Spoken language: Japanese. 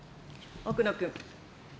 奥野君。